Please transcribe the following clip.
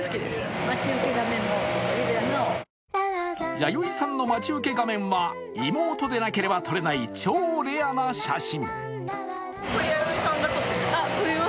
弥生さんの待ち受け画面は、妹でなければ撮れない超レアな写真。